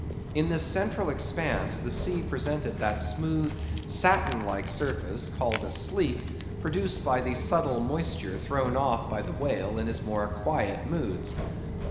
In this central expanse the sea presented that smooth satin like surface, called a sleek, produced by the subtle moisture thrown off by the whale in his more quiet moods.